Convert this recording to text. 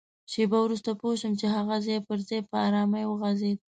شېبه وروسته پوه شوم چي هغه ځای پر ځای په ارامۍ وغځېد.